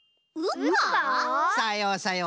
さようさよう。